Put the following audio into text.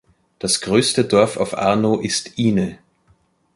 Das größte Dorf auf Arno ist "Ine".